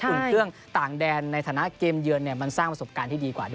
อุ่นเครื่องต่างแดนในฐานะเกมเยือนมันสร้างประสบการณ์ที่ดีกว่าด้วย